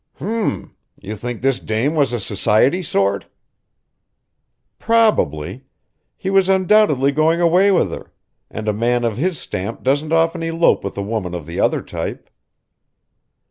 "H m! You think this dame was a society sort?" "Probably. He was undoubtedly going away with her; and a man of his stamp doesn't often elope with a woman of the other type."